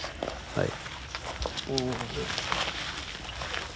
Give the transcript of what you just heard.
はい。